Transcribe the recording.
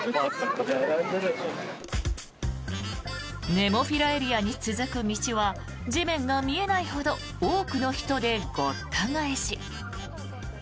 ネモフィラエリアに続く道は地面が見えないほど多くの人でごった返し。